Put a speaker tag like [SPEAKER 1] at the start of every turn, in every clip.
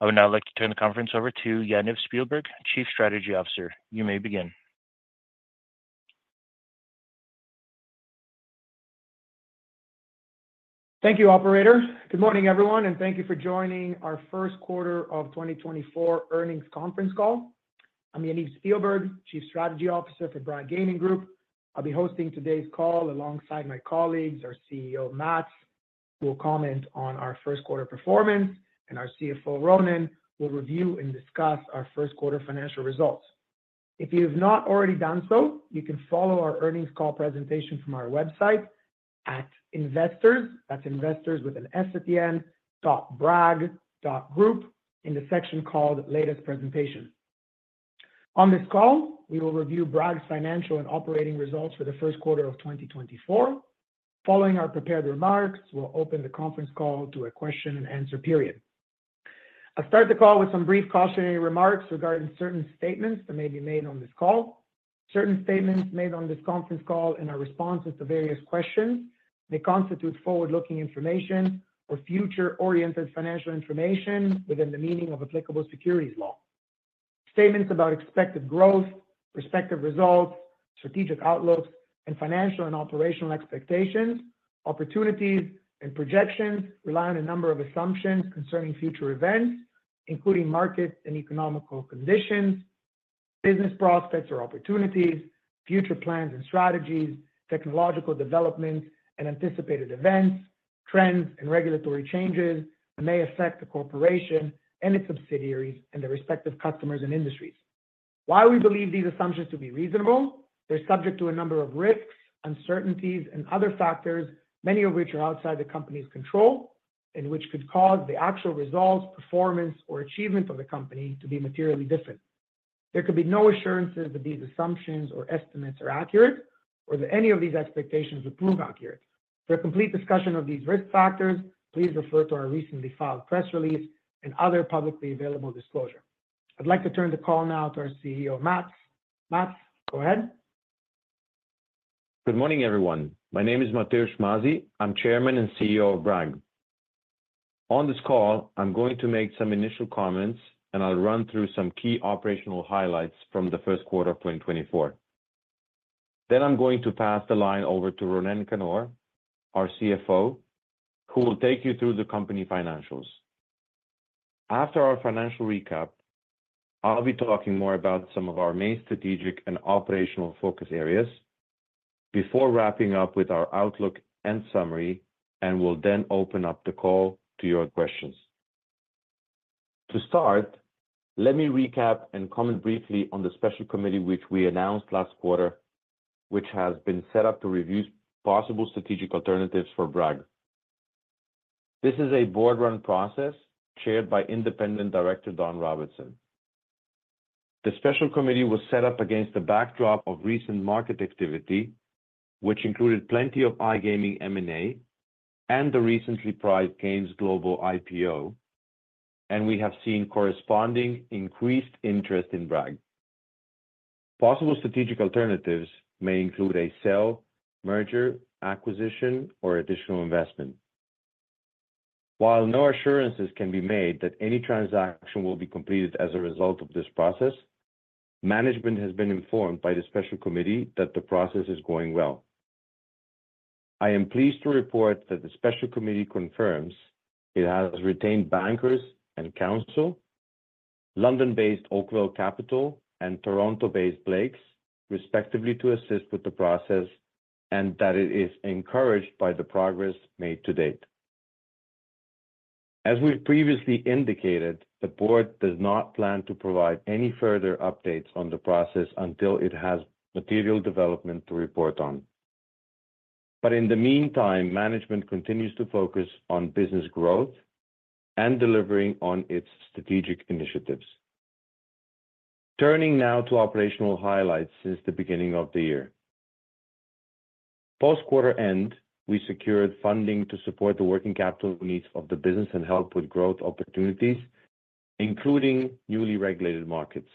[SPEAKER 1] I would now like to turn the conference over to Yaniv Spielberg, Chief Strategy Officer. You may begin.
[SPEAKER 2] Thank you, Operator. Good morning, everyone, and thank you for joining our first quarter of 2024 earnings conference call. I'm Yaniv Spielberg, Chief Strategy Officer for Bragg Gaming Group. I'll be hosting today's call alongside my colleagues, our CEO Mats, who will comment on our first quarter performance, and our CFO Ronen will review and discuss our first quarter financial results. If you have not already done so, you can follow our earnings call presentation from our website @investors.bragg.group in the section called Latest Presentation. On this call, we will review Bragg's financial and operating results for the first quarter of 2024. Following our prepared remarks, we'll open the conference call to a question-and-answer period. I'll start the call with some brief cautionary remarks regarding certain statements that may be made on this call. Certain statements made on this conference call and our responses to various questions may constitute forward-looking information or future-oriented financial information within the meaning of applicable securities laws. Statements about expected growth, prospective results, strategic outlooks, and financial and operational expectations, opportunities, and projections rely on a number of assumptions concerning future events, including market and economic conditions, business prospects or opportunities, future plans and strategies, technological developments, and anticipated events, trends, and regulatory changes that may affect the corporation and its subsidiaries and their respective customers and industries. While we believe these assumptions to be reasonable, they're subject to a number of risks, uncertainties, and other factors, many of which are outside the company's control and which could cause the actual results, performance, or achievement of the company to be materially different. There could be no assurances that these assumptions or estimates are accurate or that any of these expectations would prove accurate. For a complete discussion of these risk factors, please refer to our recently filed press release and other publicly available disclosure. I'd like to turn the call now to our CEO, Mats. Mats, go ahead.
[SPEAKER 3] Good morning, everyone. My name is Matevž Mazij. I'm Chairman and CEO of Bragg. On this call, I'm going to make some initial comments, and I'll run through some key operational highlights from the first quarter of 2024. Then I'm going to pass the line over to Ronen Kannor, our CFO, who will take you through the company financials. After our financial recap, I'll be talking more about some of our main strategic and operational focus areas before wrapping up with our outlook and summary, and we'll then open up the call to your questions. To start, let me recap and comment briefly on the special committee which we announced last quarter, which has been set up to review possible strategic alternatives for Bragg. This is a board-run process chaired by independent director Don Robertson. The special committee was set up against the backdrop of recent market activity, which included plenty of iGaming M&A and the recently priced Games Global IPO, and we have seen corresponding increased interest in Bragg. Possible strategic alternatives may include a sell, merger, acquisition, or additional investment. While no assurances can be made that any transaction will be completed as a result of this process, management has been informed by the special committee that the process is going well. I am pleased to report that the special committee confirms it has retained bankers and counsel, London-based Oakvale Capital and Toronto-based Blakes, respectively, to assist with the process and that it is encouraged by the progress made to date. As we've previously indicated, the board does not plan to provide any further updates on the process until it has material development to report on. But in the meantime, management continues to focus on business growth and delivering on its strategic initiatives. Turning now to operational highlights since the beginning of the year. Post-quarter end, we secured funding to support the working capital needs of the business and help with growth opportunities, including newly regulated markets.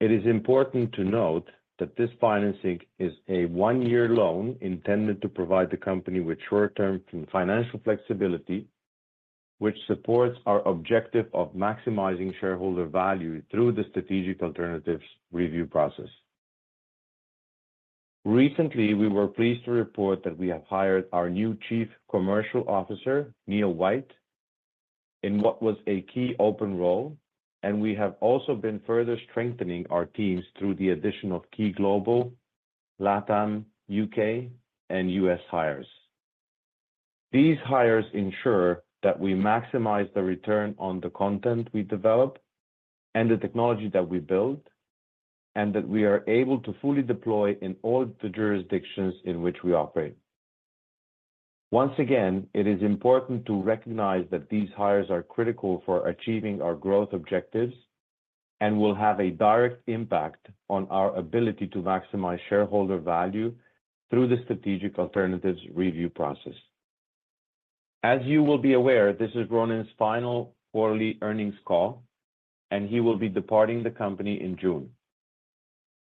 [SPEAKER 3] It is important to note that this financing is a one-year loan intended to provide the company with short-term financial flexibility, which supports our objective of maximizing shareholder value through the strategic alternatives review process. Recently, we were pleased to report that we have hired our new Chief Commercial Officer, Neil White, in what was a key open role, and we have also been further strengthening our teams through the addition of key global, LATAM, UK, and US hires. These hires ensure that we maximize the return on the content we develop and the technology that we build, and that we are able to fully deploy in all the jurisdictions in which we operate. Once again, it is important to recognize that these hires are critical for achieving our growth objectives and will have a direct impact on our ability to maximize shareholder value through the strategic alternatives review process. As you will be aware, this is Ronen's final quarterly earnings call, and he will be departing the company in June.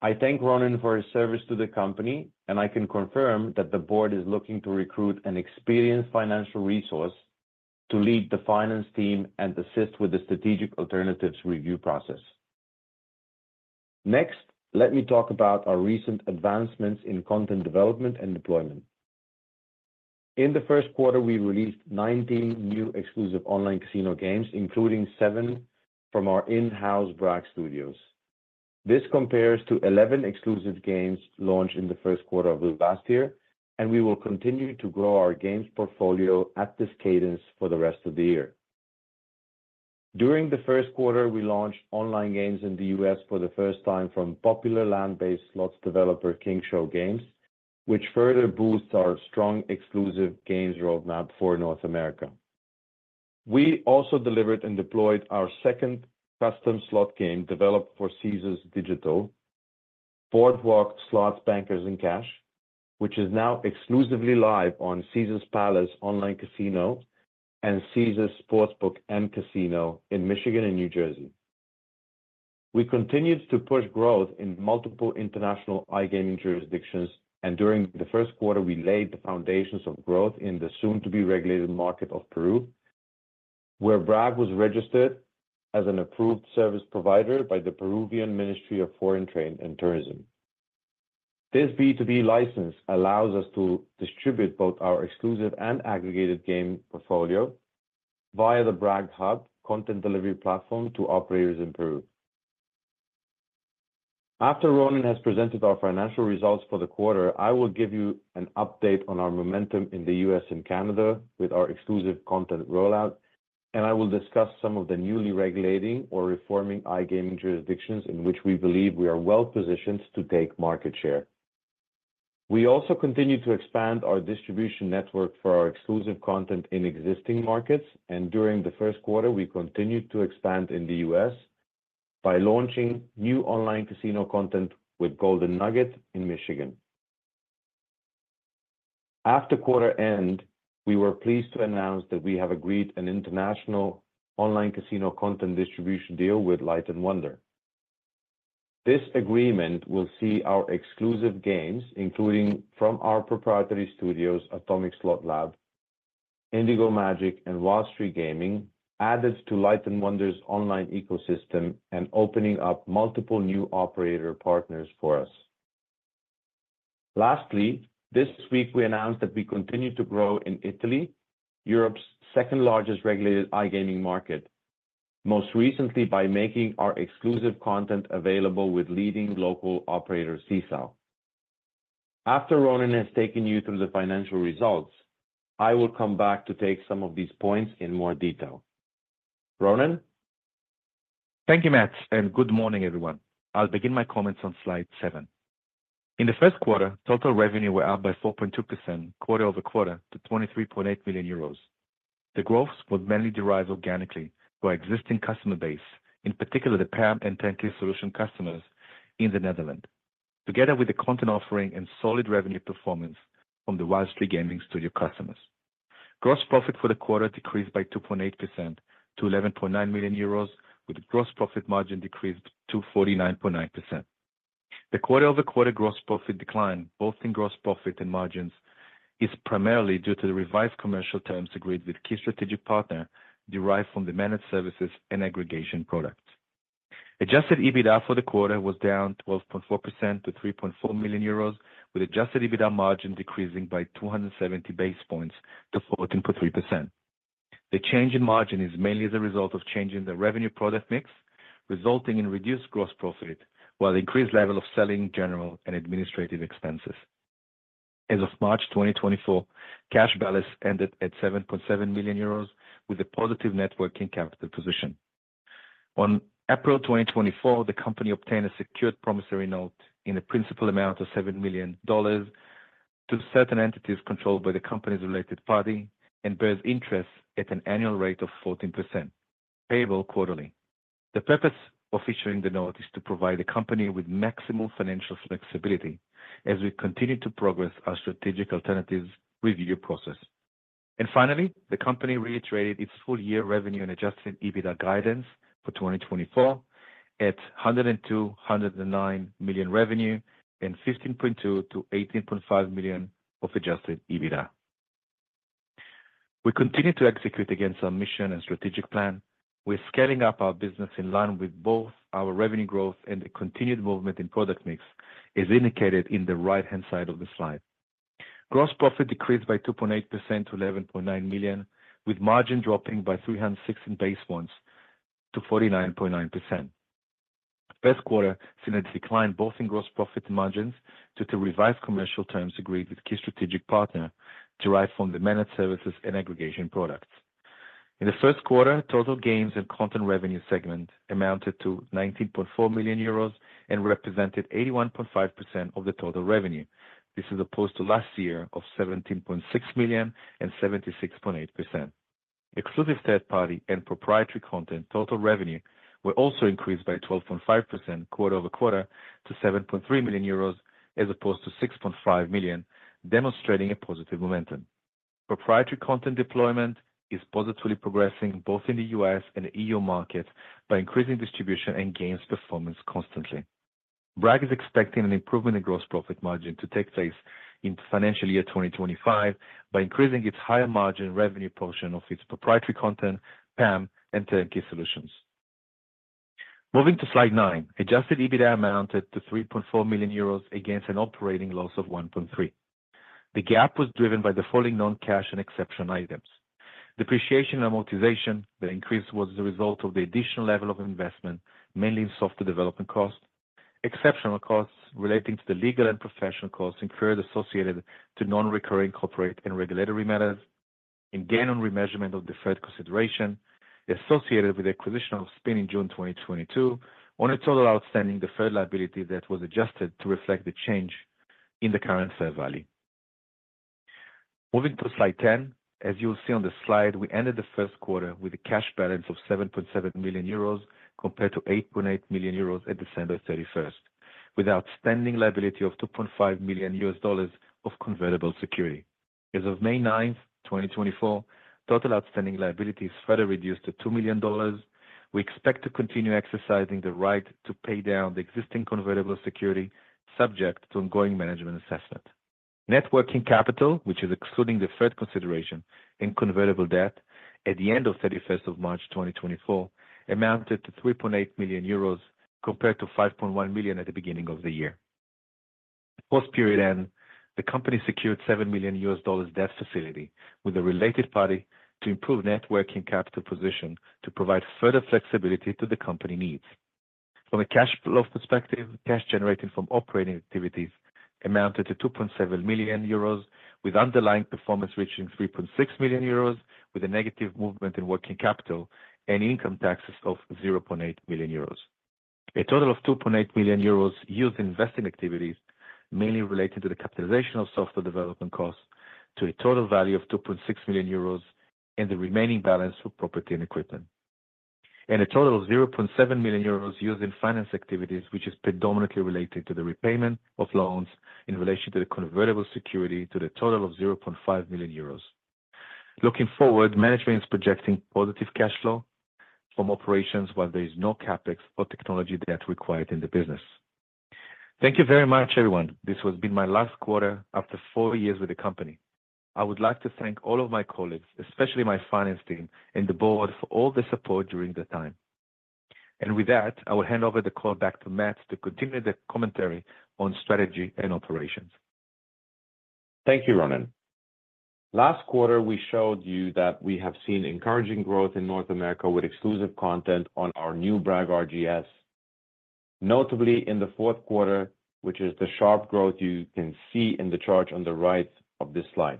[SPEAKER 3] I thank Ronen for his service to the company, and I can confirm that the board is looking to recruit an experienced financial resource to lead the finance team and assist with the strategic alternatives review process. Next, let me talk about our recent advancements in content development and deployment. In the first quarter, we released 19 new exclusive online casino games, including seven from our in-house Bragg Studios. This compares to 11 exclusive games launched in the first quarter of last year, and we will continue to grow our games portfolio at this cadence for the rest of the year. During the first quarter, we launched online games in the U.S. for the first time from popular land-based slots developer King Show Games, which further boosts our strong exclusive games roadmap for North America. We also delivered and deployed our second custom slot game developed for Caesars Digital, Boardwalk Slots Bankers & Cash, which is now exclusively live on Caesars Palace Online Casino and Caesars Sportsbook and Casino in Michigan and New Jersey. We continued to push growth in multiple international iGaming jurisdictions, and during the first quarter, we laid the foundations of growth in the soon-to-be regulated market of Peru, where Bragg was registered as an approved service provider by the Peruvian Ministry of Foreign Trade and Tourism. This B2B license allows us to distribute both our exclusive and aggregated game portfolio via the Bragg Hub content delivery platform to operators in Peru. After Ronen has presented our financial results for the quarter, I will give you an update on our momentum in the U.S. and Canada with our exclusive content rollout, and I will discuss some of the newly regulating or reforming iGaming jurisdictions in which we believe we are well positioned to take market share. We also continue to expand our distribution network for our exclusive content in existing markets, and during the first quarter, we continued to expand in the U.S. by launching new online casino content with Golden Nugget in Michigan. After quarter end, we were pleased to announce that we have agreed an international online casino content distribution deal with Light & Wonder. This agreement will see our exclusive games, including from our proprietary studios Atomic Slot Lab, Indigo Magic, and Wild Streak Gaming, added to Light & Wonder's online ecosystem and opening up multiple new operator partners for us. Lastly, this week we announced that we continue to grow in Italy, Europe's second-largest regulated iGaming market, most recently by making our exclusive content available with leading local operator Sisal. After Ronen has taken you through the financial results, I will come back to take some of these points in more detail. Ronen?
[SPEAKER 4] Thank you, Mats, and good morning, everyone. I'll begin my comments on slide seven. In the first quarter, total revenue were up by 4.2% quarter-over-quarter to 23.8 million euros. The growth was mainly derived organically by existing customer base, in particular the PAM and Turnkey Solutions customers in the Netherlands, together with the content offering and solid revenue performance from the Wild Streak Gaming Studio customers. Gross profit for the quarter decreased by 2.8% to 11.9 million euros, with the gross profit margin decreased to 49.9%. The quarter-over-quarter gross profit decline, both in gross profit and margins, is primarily due to the revised commercial terms agreed with key strategic partner derived from the managed services and aggregation product. Adjusted EBITDA for the quarter was down 12.4% to 3.4 million euros, with adjusted EBITDA margin decreasing by 270 basis points to 14.3%. The change in margin is mainly as a result of changing the revenue product mix, resulting in reduced gross profit while increased level of selling, general, and administrative expenses. As of March 2024, cash balance ended at EURO 7.7 million, with a positive net working capital position. On April 2024, the company obtained a secured promissory note in a principal amount of $7 million to certain entities controlled by the company's related party and bears interest at an annual rate of 14%, payable quarterly. The purpose of issuing the note is to provide the company with maximum financial flexibility as we continue to progress our strategic alternatives review process. Finally, the company reiterated its full-year revenue and Adjusted EBITDA guidance for 2024 at EURO 102.09 million revenue and EURO 15.2 million-EURO 18.5 million of Adjusted EBITDA. We continue to execute against our mission and strategic plan. We're scaling up our business in line with both our revenue growth and the continued movement in product mix, as indicated in the right-hand side of the slide. Gross profit decreased by 2.8% to 11.9 million, with margin dropping by 316 basis points to 49.9%. First quarter seen a decline both in gross profit and margins due to revised commercial terms agreed with key strategic partner derived from the managed services and aggregation products. In the first quarter, total games and content revenue segment amounted to 19.4 million euros and represented 81.5% of the total revenue. This is opposed to last year of 17.6 million and 76.8%. Exclusive third-party and proprietary content total revenue were also increased by 12.5% quarter-over-quarter to 7.3 million euros as opposed to 6.5 million, demonstrating a positive momentum. Proprietary content deployment is positively progressing both in the U.S. and EU markets by increasing distribution and games performance constantly. Bragg is expecting an improvement in gross profit margin to take place in financial year 2025 by increasing its higher margin revenue portion of its proprietary content, PAM, and Turnkey Solutions. Moving to slide 9, Adjusted EBITDA amounted to 3.4 million euros against an operating loss of 1.3 million. The gap was driven by the falling non-cash and exceptional items. Depreciation and amortization that increased was the result of the additional level of investment, mainly in software development costs. Exceptional costs relating to the legal and professional costs incurred associated to non-recurring corporate and regulatory matters, in gain on remeasurement of deferred consideration associated with the acquisition of Spin in June 2022, on a total outstanding deferred liability that was adjusted to reflect the change in the current fair value. Moving to slide 10, as you will see on the slide, we ended the first quarter with a cash balance of 7.7 million euros compared to 8.8 million euros at December 31st, with outstanding liability of $2.5 million of convertible security. As of May 9th, 2024, total outstanding liability is further reduced to $2 million. We expect to continue exercising the right to pay down the existing convertible security subject to ongoing management assessment. Net working capital, which is excluding deferred consideration and convertible debt, at the end of 31st March 2024, amounted to 3.8 million euros compared to 5.1 million at the beginning of the year. Post-period end, the company secured $7 million debt facility with a related party to improve net working capital position to provide further flexibility to the company needs. From a cash flow perspective, cash generated from operating activities amounted to 2.7 million euros, with underlying performance reaching 3.6 million euros with a negative movement in working capital and income taxes of 0.8 million euros. A total of 2.8 million euros used in investing activities, mainly relating to the capitalization of software development costs, to a total value of 2.6 million euros in the remaining balance for property and equipment. A total of 0.7 million euros used in finance activities, which is predominantly related to the repayment of loans in relation to the convertible security to the total of 0.5 million euros. Looking forward, management is projecting positive cash flow from operations while there is no CapEx or technology debt required in the business. Thank you very much, everyone. This has been my last quarter after four years with the company. I would like to thank all of my colleagues, especially my finance team and the board, for all the support during the time. With that, I will hand over the call back to Mats to continue the commentary on strategy and operations.
[SPEAKER 3] Thank you, Ronen. Last quarter, we showed you that we have seen encouraging growth in North America with exclusive content on our new Bragg RGS, notably in the fourth quarter, which is the sharp growth you can see in the chart on the right of this slide.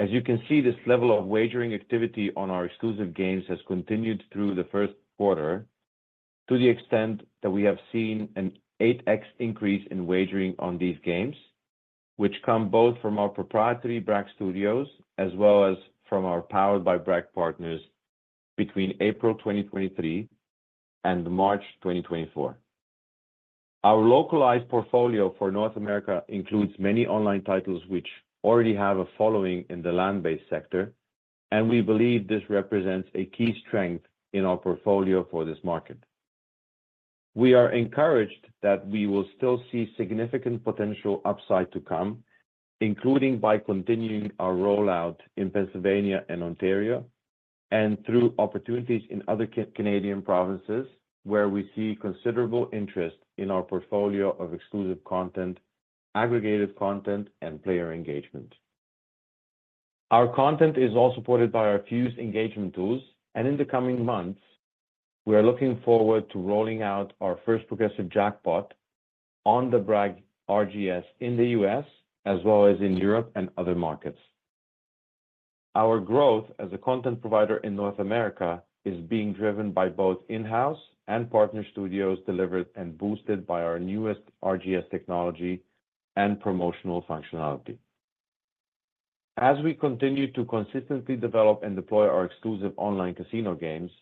[SPEAKER 3] As you can see, this level of wagering activity on our exclusive games has continued through the first quarter to the extent that we have seen an 8x increase in wagering on these games, which come both from our proprietary Bragg Studios as well as from our powered by Bragg partners between April 2023 and March 2024. Our localized portfolio for North America includes many online titles which already have a following in the land-based sector, and we believe this represents a key strength in our portfolio for this market. We are encouraged that we will still see significant potential upside to come, including by continuing our rollout in Pennsylvania and Ontario, and through opportunities in other Canadian provinces where we see considerable interest in our portfolio of exclusive content, aggregated content, and player engagement. Our content is all supported by our Fuze engagement tools, and in the coming months, we are looking forward to rolling out our first progressive jackpot on the Bragg RGS in the U.S. as well as in Europe and other markets. Our growth as a content provider in North America is being driven by both in-house and partner studios delivered and boosted by our newest RGS technology and promotional functionality. As we continue to consistently develop and deploy our exclusive online casino games,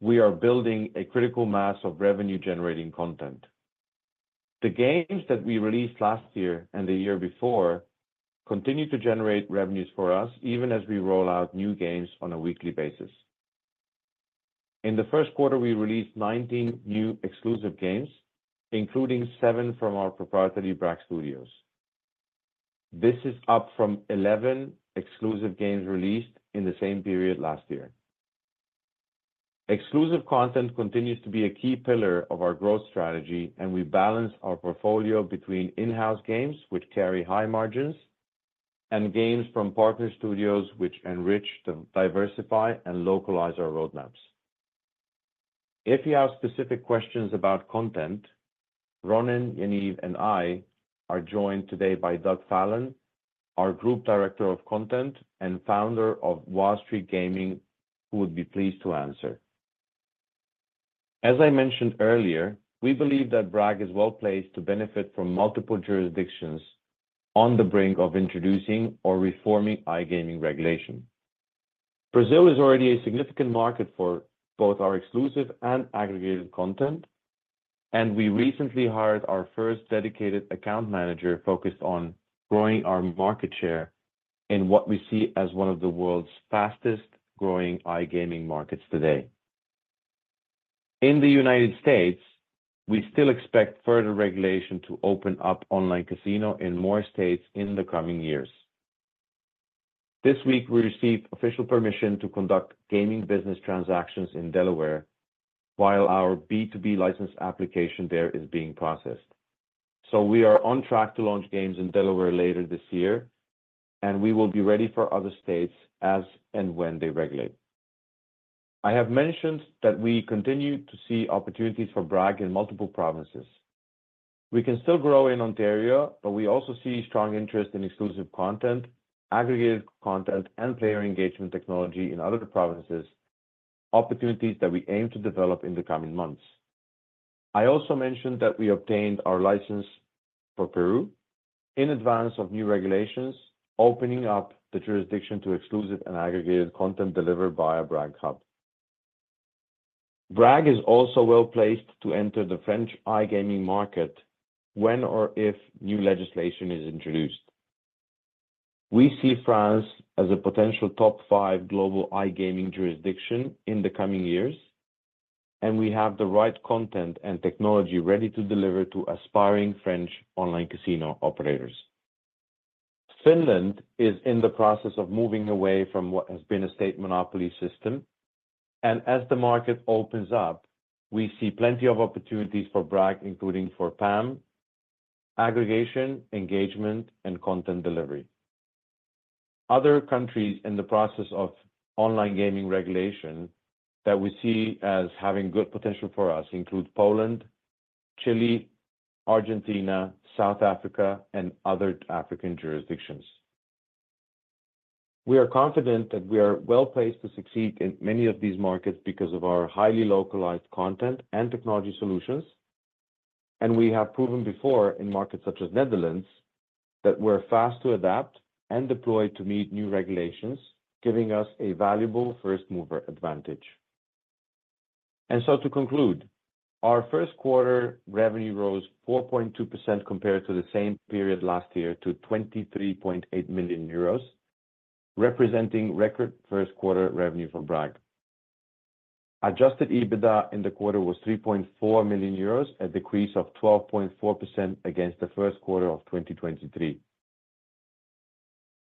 [SPEAKER 3] we are building a critical mass of revenue-generating content. The games that we released last year and the year before continue to generate revenues for us even as we roll out new games on a weekly basis. In the first quarter, we released 19 new exclusive games, including seven from our proprietary Bragg Studios. This is up from 11 exclusive games released in the same period last year. Exclusive content continues to be a key pillar of our growth strategy, and we balance our portfolio between in-house games, which carry high margins, and games from partner studios, which enrich, diversify, and localize our roadmaps. If you have specific questions about content, Ronen, Yaniv, and I are joined today by Doug Fallon, our group director of content and founder of Wild Streak Gaming, who would be pleased to answer. As I mentioned earlier, we believe that Bragg is well placed to benefit from multiple jurisdictions on the brink of introducing or reforming iGaming regulation. Brazil is already a significant market for both our exclusive and aggregated content, and we recently hired our first dedicated account manager focused on growing our market share in what we see as one of the world's fastest-growing iGaming markets today. In the United States, we still expect further regulation to open up online casino in more states in the coming years. This week, we received official permission to conduct gaming business transactions in Delaware while our B2B license application there is being processed. So we are on track to launch games in Delaware later this year, and we will be ready for other states as and when they regulate. I have mentioned that we continue to see opportunities for Bragg in multiple provinces. We can still grow in Ontario, but we also see strong interest in exclusive content, aggregated content, and player engagement technology in other provinces, opportunities that we aim to develop in the coming months. I also mentioned that we obtained our license for Peru in advance of new regulations, opening up the jurisdiction to exclusive and aggregated content delivered via Bragg Hub. Bragg is also well placed to enter the French iGaming market when or if new legislation is introduced. We see France as a potential top five global iGaming jurisdiction in the coming years, and we have the right content and technology ready to deliver to aspiring French online casino operators. Finland is in the process of moving away from what has been a state monopoly system, and as the market opens up, we see plenty of opportunities for Bragg, including for PAM, aggregation, engagement, and content delivery. Other countries in the process of online gaming regulation that we see as having good potential for us include Poland, Chile, Argentina, South Africa, and other African jurisdictions. We are confident that we are well placed to succeed in many of these markets because of our highly localized content and technology solutions, and we have proven before in markets such as Netherlands that we're fast to adapt and deploy to meet new regulations, giving us a valuable first-mover advantage. And so to conclude, our first quarter revenue rose 4.2% compared to the same period last year to 23.8 million euros, representing record first-quarter revenue for Bragg. Adjusted EBITDA in the quarter was 3.4 million euros, a decrease of 12.4% against the first quarter of 2023.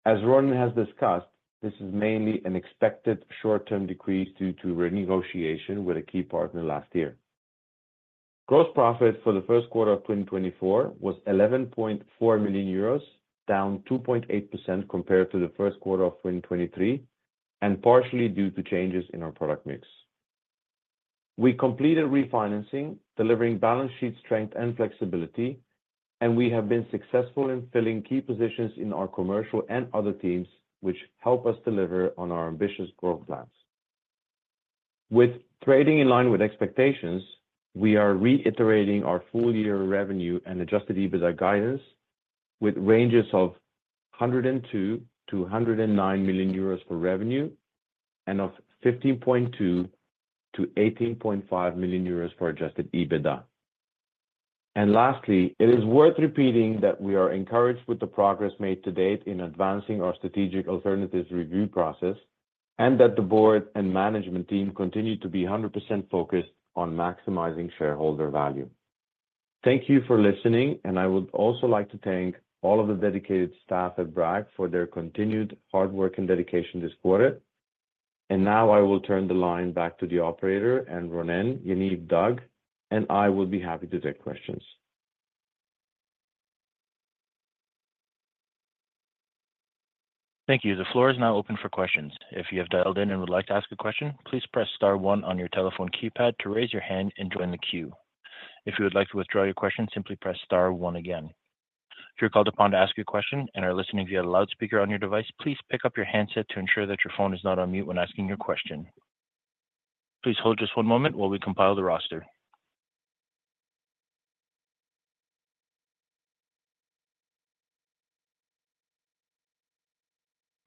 [SPEAKER 3] As Ronen has discussed, this is mainly an expected short-term decrease due to renegotiation with a key partner last year. Gross profit for the first quarter of 2024 was 11.4 million euros, down 2.8% compared to the first quarter of 2023, and partially due to changes in our product mix. We completed refinancing, delivering balance sheet strength and flexibility, and we have been successful in filling key positions in our commercial and other teams, which help us deliver on our ambitious growth plans. With trading in line with expectations, we are reiterating our full-year revenue and Adjusted EBITDA guidance with ranges of 102 million-109 million euros for revenue and of 15.2 million-18.5 million euros for Adjusted EBITDA. And lastly, it is worth repeating that we are encouraged with the progress made to date in advancing our strategic alternatives review process and that the board and management team continue to be 100% focused on maximizing shareholder value. Thank you for listening, and I would also like to thank all of the dedicated staff at Bragg for their continued hard work and dedication this quarter. Now I will turn the line back to the operator, and Ronen, Yaniv, Doug, and I will be happy to take questions.
[SPEAKER 1] Thank you. The floor is now open for questions. If you have dialed in and would like to ask a question, please press star 1 on your telephone keypad to raise your hand and join the queue. If you would like to withdraw your question, simply press star 1 again. If you're called upon to ask your question and are listening via the loudspeaker on your device, please pick up your handset to ensure that your phone is not on mute when asking your question. Please hold just one moment while we compile the roster.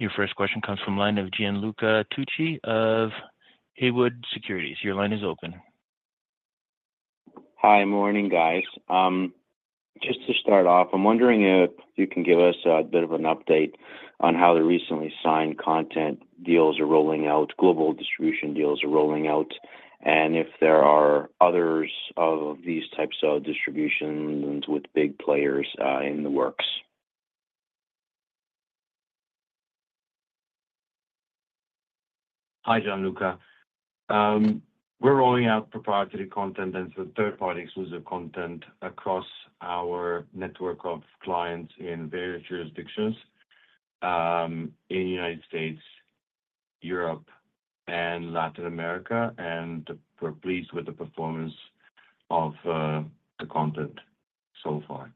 [SPEAKER 1] Your first question comes from line of Gianluca Tucci of Haywood Securities. Your line is open.
[SPEAKER 5] Hi, morning, guys. Just to start off, I'm wondering if you can give us a bit of an update on how the recently signed content deals are rolling out, global distribution deals are rolling out, and if there are others of these types of distributions with big players in the works?
[SPEAKER 3] Hi, Gianluca. We're rolling out proprietary content and third-party exclusive content across our network of clients in various jurisdictions in the United States, Europe, and Latin America, and we're pleased with the performance of the content so far.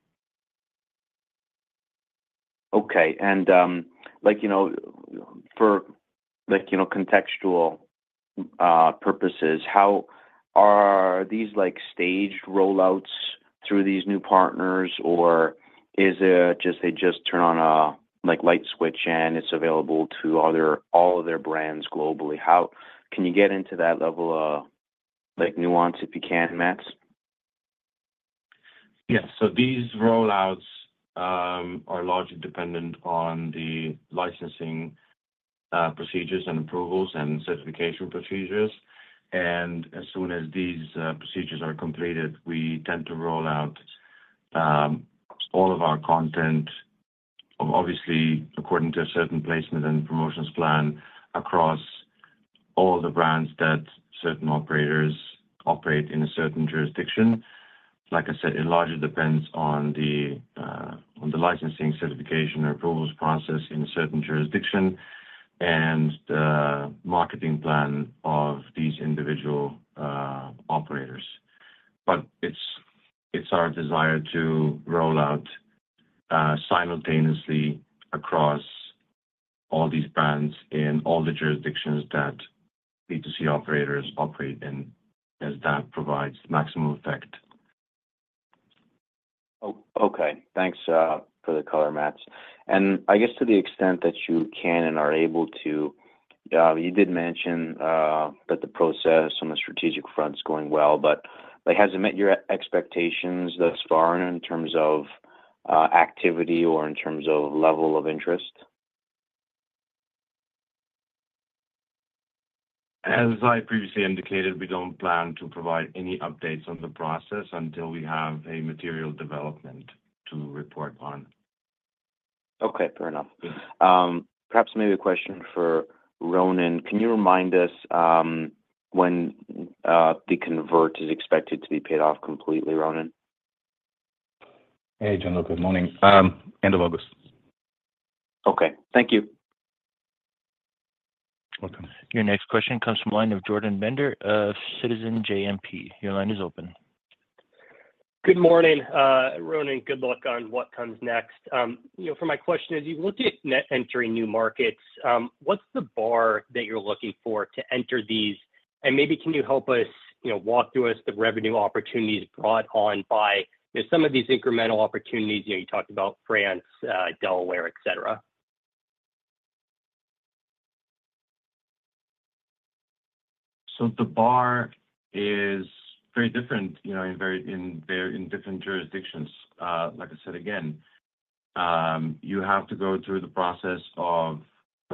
[SPEAKER 5] Okay. For contextual purposes, are these staged rollouts through these new partners, or is it just they just turn on a light switch and it's available to all of their brands globally? Can you get into that level of nuance if you can, Mats?
[SPEAKER 3] Yes. So these rollouts are largely dependent on the licensing procedures and approvals and certification procedures. As soon as these procedures are completed, we tend to roll out all of our content, obviously, according to a certain placement and promotions plan, across all the brands that certain operators operate in a certain jurisdiction. Like I said, it largely depends on the licensing, certification, or approvals process in a certain jurisdiction, and the marketing plan of these individual operators. It's our desire to roll out simultaneously across all these brands in all the jurisdictions that B2C operators operate in as that provides maximum effect.
[SPEAKER 5] Okay. Thanks for the color, Matevž. I guess to the extent that you can and are able to, you did mention that the process on the strategic front is going well, but has it met your expectations thus far in terms of activity or in terms of level of interest?
[SPEAKER 3] As I previously indicated, we don't plan to provide any updates on the process until we have a material development to report on.
[SPEAKER 5] Okay. Fair enough. Perhaps maybe a question for Ronen. Can you remind us when the convert is expected to be paid off completely, Ronen?
[SPEAKER 4] Hey, Gianluca. Good morning. End of August.
[SPEAKER 5] Okay. Thank you.
[SPEAKER 4] Welcome.
[SPEAKER 1] Your next question comes from the line of Jordan Bender of Citizens JMP. Your line is open.
[SPEAKER 6] Good morning, Ronen. Good luck on what comes next. For my question, as you look at entering new markets, what's the bar that you're looking for to enter these? And maybe can you help us walk through the revenue opportunities brought on by some of these incremental opportunities you talked about: France, Delaware, etc.
[SPEAKER 3] The bar is very different in different jurisdictions. Like I said, again, you have to go through the process of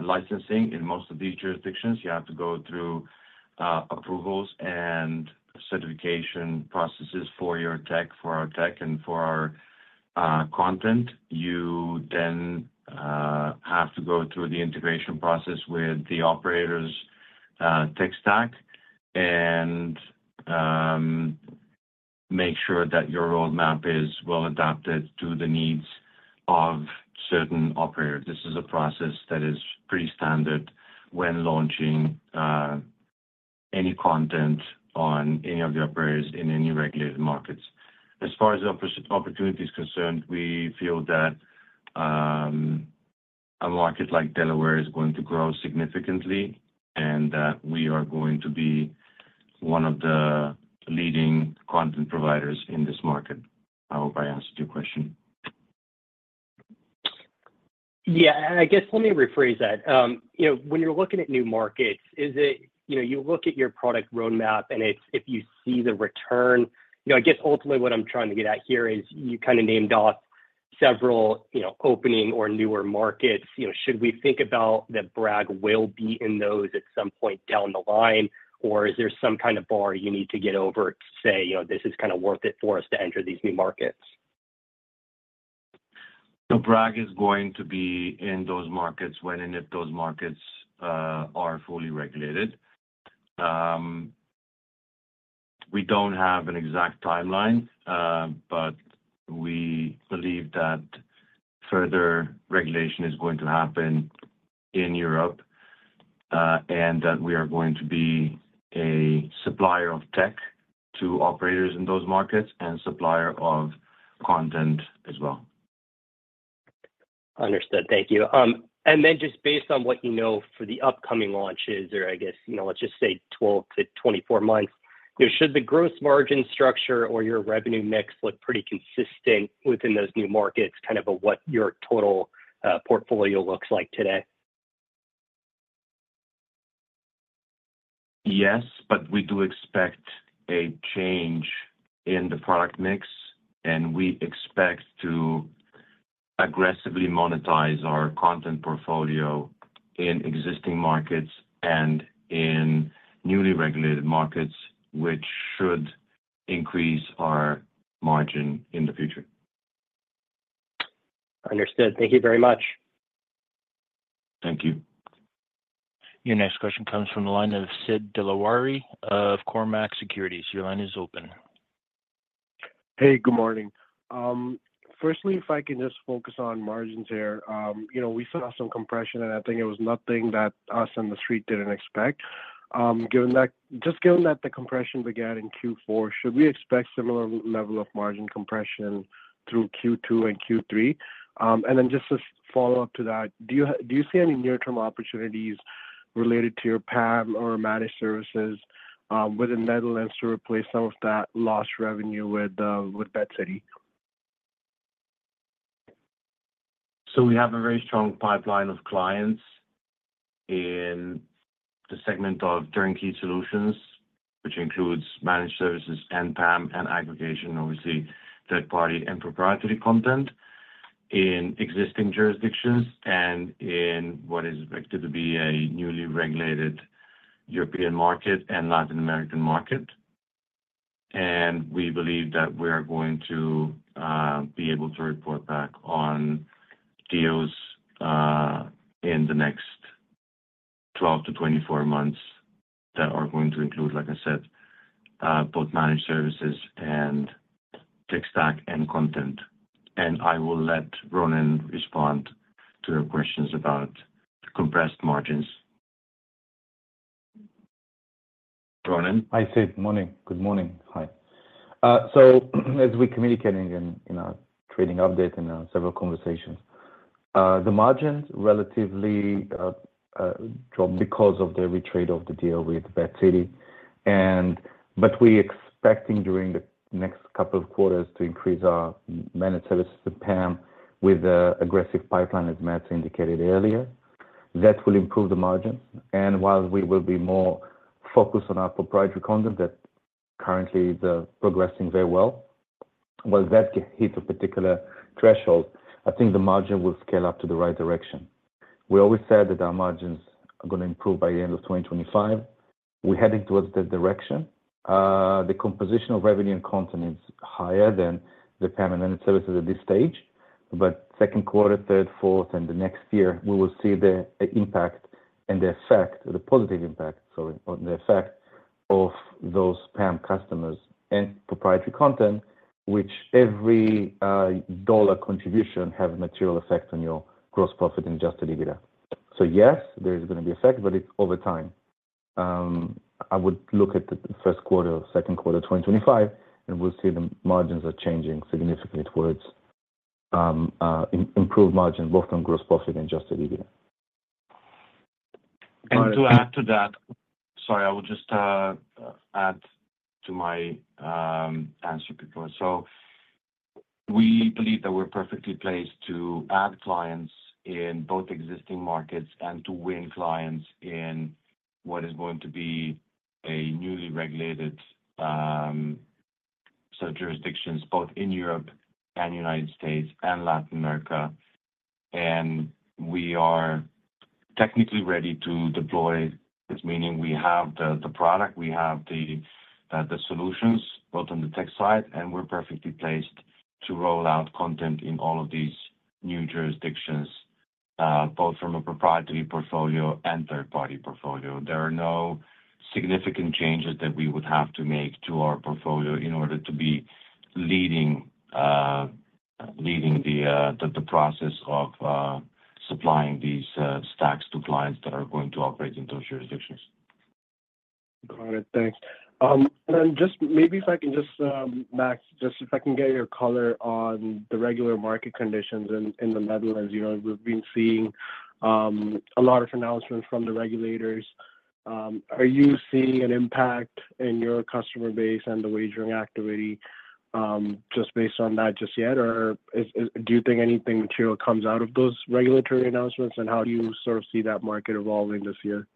[SPEAKER 3] licensing in most of these jurisdictions. You have to go through approvals and certification processes for your tech, for our tech, and for our content. You then have to go through the integration process with the operator's tech stack and make sure that your roadmap is well adapted to the needs of certain operators. This is a process that is pretty standard when launching any content on any of the operators in any regulated markets. As far as the opportunity is concerned, we feel that a market like Delaware is going to grow significantly and that we are going to be one of the leading content providers in this market. I hope I answered your question.
[SPEAKER 6] Yeah. I guess let me rephrase that. When you're looking at new markets, you look at your product roadmap and if you see the return. I guess ultimately what I'm trying to get at here is you kind of named off several opening or newer markets. Should we think about that Bragg will be in those at some point down the line, or is there some kind of bar you need to get over to say, "This is kind of worth it for us to enter these new markets"?
[SPEAKER 3] Bragg is going to be in those markets when and if those markets are fully regulated. We don't have an exact timeline, but we believe that further regulation is going to happen in Europe and that we are going to be a supplier of tech to operators in those markets and supplier of content as well.
[SPEAKER 6] Understood. Thank you. And then just based on what you know for the upcoming launches or, I guess, let's just say 12-24 months, should the gross margin structure or your revenue mix look pretty consistent within those new markets, kind of what your total portfolio looks like today?
[SPEAKER 3] Yes, but we do expect a change in the product mix, and we expect to aggressively monetize our content portfolio in existing markets and in newly regulated markets, which should increase our margin in the future.
[SPEAKER 6] Understood. Thank you very much.
[SPEAKER 3] Thank you.
[SPEAKER 1] Your next question comes from line of Sid Delawari of Cormark Securities. Your line is open.
[SPEAKER 7] Hey, good morning. Firstly, if I can just focus on margins here. We saw some compression, and I think it was nothing that us in the street didn't expect. Just given that the compression began in Q4, should we expect similar level of margin compression through Q2 and Q3? And then just to follow up to that, do you see any near-term opportunities related to your PAM or Turnkey Services within Netherlands to replace some of that lost revenue with BetCity?
[SPEAKER 3] So we have a very strong pipeline of clients in the segment of Turnkey Solutions, which includes Managed Services and PAM and aggregation, obviously, third-party and proprietary content in existing jurisdictions and in what is expected to be a newly regulated European market and Latin American market. We believe that we are going to be able to report back on deals in the next 12-24 months that are going to include, like I said, both Managed Services and tech stack and content. I will let Ronen respond to your questions about compressed margins. Ronen?
[SPEAKER 4] Hi, Sid. Good morning. Hi. So as we communicated in our trading update and several conversations, the margins relatively dropped because of the retrade of the deal with BetCity. But we're expecting during the next couple of quarters to increase our Managed Services and PAM with the aggressive pipeline, as Mats indicated earlier. That will improve the margins. And while we will be more focused on our proprietary content that currently is progressing very well, when that hits a particular threshold, I think the margin will scale up to the right direction. We always said that our margins are going to improve by the end of 2025. We're heading towards that direction. The composition of revenue and content is higher than the PAM and Managed Services at this stage. But second quarter, third, fourth, and the next year, we will see the impact and the effect, the positive impact, sorry, the effect of those PAM customers and proprietary content, which every dollar contribution has a material effect on your gross profit and Adjusted EBITDA. So yes, there is going to be effect, but it's over time. I would look at the first quarter of second quarter 2025, and we'll see the margins are changing significantly towards improved margins, both on gross profit and Adjusted EBITDA.
[SPEAKER 3] To add to that, sorry, I will just add to my answer before. We believe that we're perfectly placed to add clients in both existing markets and to win clients in what is going to be a newly regulated jurisdictions, both in Europe and United States and Latin America. We are technically ready to deploy, which means we have the product, we have the solutions, both on the tech side, and we're perfectly placed to roll out content in all of these new jurisdictions, both from a proprietary portfolio and third-party portfolio. There are no significant changes that we would have to make to our portfolio in order to be leading the process of supplying these stacks to clients that are going to operate in those jurisdictions.
[SPEAKER 7] Got it. Thanks. And then just maybe if I can, Max, get your color on the regulatory market conditions in the Netherlands. We've been seeing a lot of announcements from the regulators. Are you seeing an impact in your customer base and the wagering activity just based on that just yet, or do you think anything material comes out of those regulatory announcements, and how do you sort of see that market evolving this year?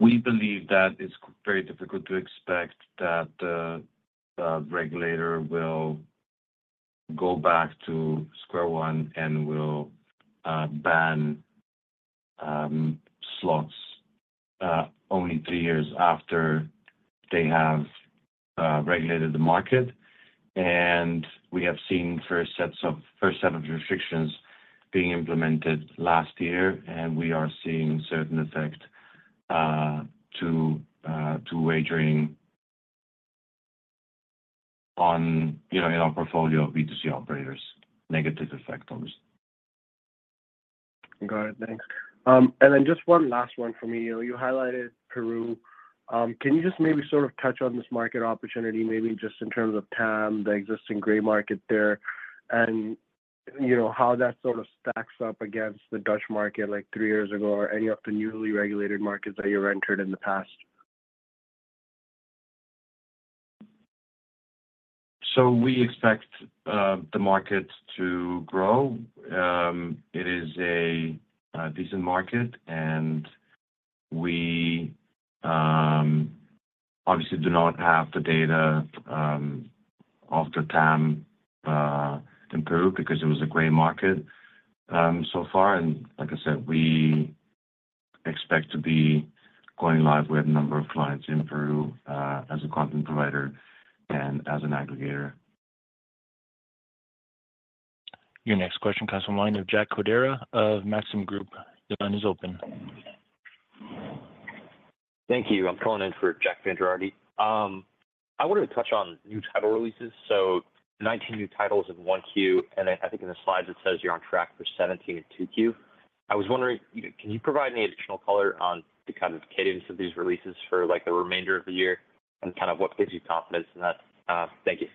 [SPEAKER 3] We believe that it's very difficult to expect that the regulator will go back to square one and will ban slots only three years after they have regulated the market. We have seen first set of restrictions being implemented last year, and we are seeing a certain effect to wagering in our portfolio of B2C operators, negative effect on us.
[SPEAKER 7] Got it. Thanks. And then just one last one for me. You highlighted Peru. Can you just maybe sort of touch on this market opportunity, maybe just in terms of PAM, the existing gray market there, and how that sort of stacks up against the Dutch market like three years ago or any of the newly regulated markets that you've entered in the past?
[SPEAKER 3] We expect the market to grow. It is a decent market, and we obviously do not have the data of the PAM in Peru because it was a gray market so far. Like I said, we expect to be going live with a number of clients in Peru as a content provider and as an aggregator.
[SPEAKER 1] Your next question comes from line of Jack Codera of Maxim Group. Your line is open.
[SPEAKER 8] Thank you. I'm calling in for Jack Vander Aarde. I wanted to touch on new title releases. So 19 new titles in 1Q, and then I think in the slides, it says you're on track for 17 in 2Q. I was wondering, can you provide any additional color on the kind of cadence of these releases for the remainder of the year and kind of what gives you confidence in that? Thank you.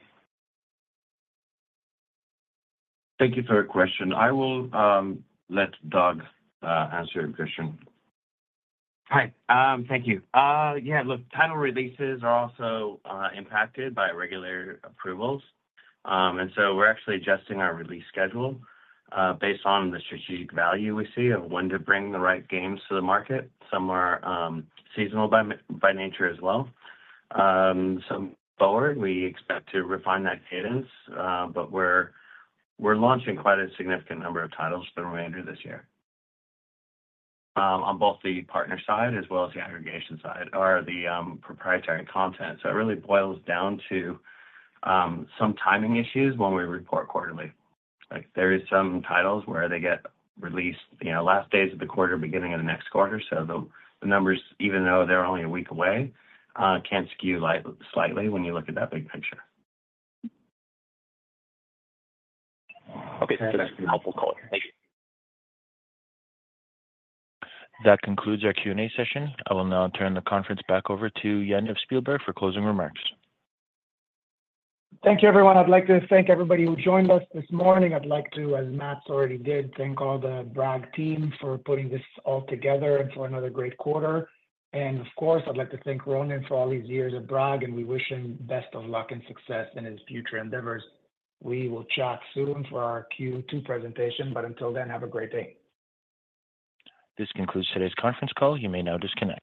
[SPEAKER 3] Thank you for your question. I will let Doug answer your question.
[SPEAKER 9] Hi. Thank you. Yeah. Look, title releases are also impacted by regulatory approvals. So we're actually adjusting our release schedule based on the strategic value we see in when to bring the right games to the market. Some are seasonal by nature as well. Going forward, we expect to refine that cadence, but we're launching quite a significant number of titles for the remainder of this year on both the partner side as well as the aggregation side or the proprietary content. So it really boils down to some timing issues when we report quarterly. There are some titles where they get released last days of the quarter, beginning of the next quarter. So the numbers, even though they're only a week away, can skew slightly when you look at that big picture.
[SPEAKER 6] Okay. That's a helpful color. Thank you.
[SPEAKER 1] That concludes our Q&A session. I will now turn the conference back over to Yaniv Spielberg for closing remarks.
[SPEAKER 2] Thank you, everyone. I'd like to thank everybody who joined us this morning. I'd like to, as Mats already did, thank all the Bragg team for putting this all together and for another great quarter. And of course, I'd like to thank Ronen for all these years at Bragg, and we wish him best of luck and success in his future endeavors. We will chat soon for our Q2 presentation, but until then, have a great day.
[SPEAKER 1] This concludes today's conference call. You may now disconnect.